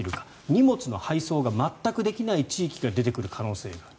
荷物の配送が全くできない地域が出てくる可能性がある。